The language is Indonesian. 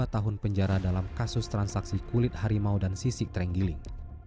dua tahun penjara dalam kasus transaksi kulit harimau dan sisik terenggiling